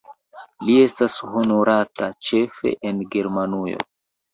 Li estas honorata ĉefe en Germanujo.